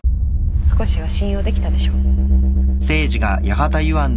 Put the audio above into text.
少しは信用できたでしょ